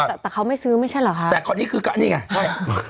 ครับเขาไม่ซื้อมันเช่นอ่ะคะแต่ก่อนนี้ก็นี่ไง